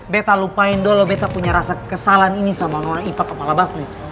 betta lupain doh lo betta punya rasa kesalan ini sama nona ipa kepala batu itu